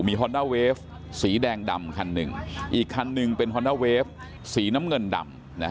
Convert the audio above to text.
ฮอนด้าเวฟสีแดงดำคันหนึ่งอีกคันหนึ่งเป็นฮอนด้าเวฟสีน้ำเงินดำ